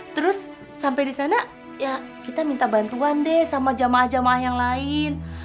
terus sampe disana ya kita minta bantuan deh sama jamaah jamaah yang lain